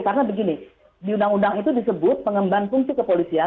karena begini di undang undang itu disebut pengemban fungsi kepolisian